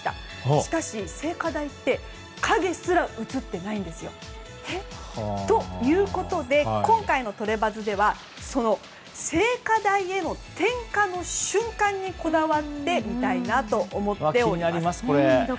しかし、聖火台って影すら映っていないんですよ。ということで今回のトレバズではその聖火台への点火の瞬間にこだわって思っております。